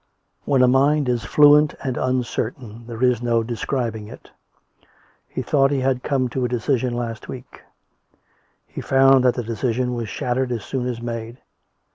When a mind is fluent and uncertain there is no describ ing it. He thought he had come to a decision last week; he found that the decision was shattered as soon as made.